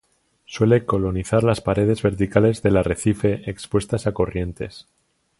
Suele colonizar las paredes verticales del arrecife expuestas a corrientes.